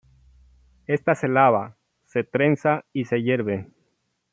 Esta se lava, se trenza y se hierve.